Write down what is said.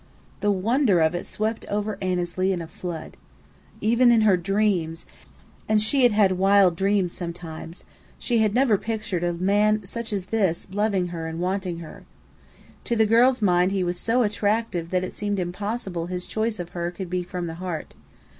The wonder of it swept over Annesley in a flood. Even in her dreams and she had had wild dreams sometimes she had never pictured a man such as this loving her and wanting her. To the girl's mind he was so attractive that it seemed impossible his choice of her could be from the heart.